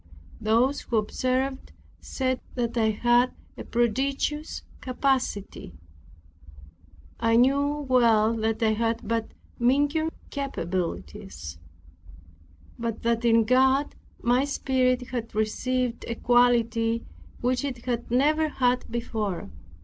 Those who observed said that I had a prodigious capacity. I well knew that I had but meager capabilities, but that in God my spirit had received a quality which it had never had before.